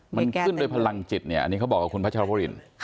มันขึ้นโดยพลังจิตเนี่ย